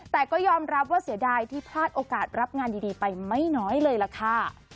แต่ก็ยอมรับว่าเสียดายที่พลาดโอกาสรับงานดีไปไม่น้อยเลยล่ะค่ะ